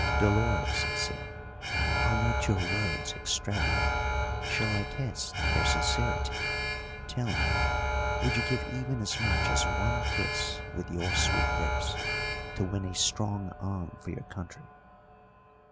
"Dolores," I said, "are not your words extravagant? Shall I test their sincerity? Tell me, would you give even as much as one kiss with your sweet lips to win a strong arm for your country?"